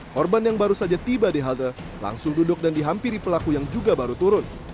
korban yang baru saja tiba di halte langsung duduk dan dihampiri pelaku yang juga baru turun